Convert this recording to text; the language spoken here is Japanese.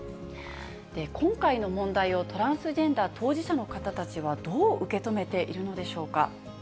今回の問題をトランスジェンダー当事者の方たちはどう受け止めているのでしょうか。